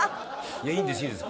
いやいいんですいいんです。